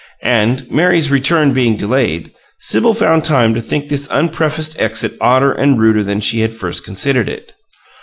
And, Mary's return being delayed, Sibyl found time to think this unprefaced exit odder and ruder than she had first considered it.